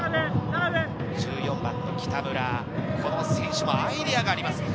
１４番の北村、この選手もアイデアがあります。